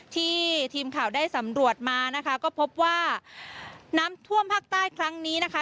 ทีมข่าวได้สำรวจมานะคะก็พบว่าน้ำท่วมภาคใต้ครั้งนี้นะคะ